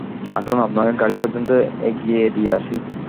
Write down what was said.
আসুন, আপনাকে গাড়ি পর্যন্ত এগিয়ে দিয়ে আসি।